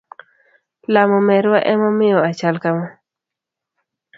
Lamo merwa emomiyo achal kama